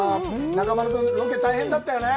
中丸君、ロケ、大変だったよね？